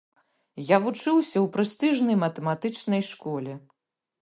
Я вучыўся ў прэстыжнай матэматычнай школе.